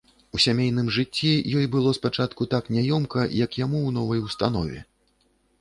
У сямейным жыцці ёй было спачатку так няёмка, як яму ў новай установе.